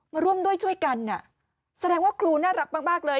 มาร่วมด้วยช่วยกันแสดงว่าครูน่ารักมากเลย